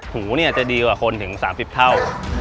หูจะดีกว่าคนถึง๓๐เท่า